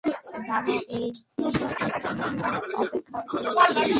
জানো, এই দিনের জন্য তিনি কতদিন ধরে অপেক্ষা করছিলেন?